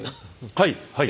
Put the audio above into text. はいはい。